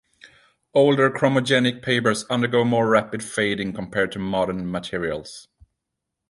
Older chromogenic papers undergo more rapid fading compared to modern materials.